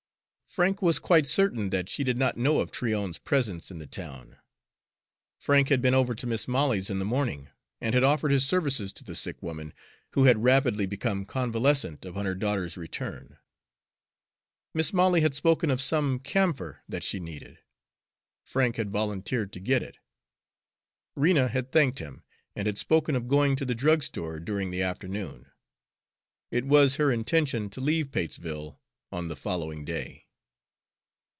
Frank was quite certain that she did not know of Tryon's presence in the town. Frank had been over to Mis' Molly's in the morning, and had offered his services to the sick woman, who had rapidly become convalescent upon her daughter's return. Mis' Molly had spoken of some camphor that she needed. Frank had volunteered to get it. Rena had thanked him, and had spoken of going to the drugstore during the afternoon. It was her intention to leave Patesville on the following day.